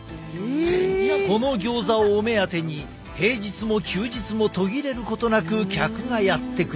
このギョーザをお目当てに平日も休日も途切れることなく客がやって来る。